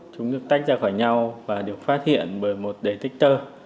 chúng được tách ra khỏi nhau và được phát hiện bởi một detector